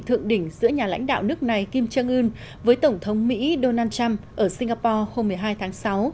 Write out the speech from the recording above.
thượng đỉnh giữa nhà lãnh đạo nước này kim jong un với tổng thống mỹ donald trump ở singapore hôm một mươi hai tháng sáu